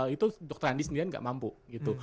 itu dokter andi sendirian nggak mampu gitu